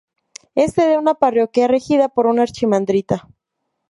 Es sede de una parroquia regida por un archimandrita.